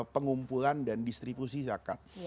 pengumpulan dan distribusi zakat